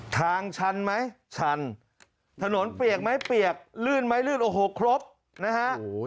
ชันไหมชันถนนเปียกไหมเปียกลื่นไหมลื่นโอ้โหครบนะฮะ